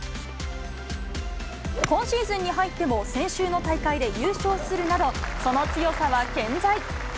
今シーズンに入っても、先週の大会で優勝するなど、その強さは健在。